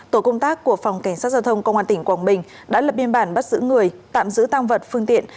tổ công tác của phòng cảnh sát giao thông công an tỉnh quảng bình đã lập biên bản bắt giữ người tạm giữ tăng vật phương tiện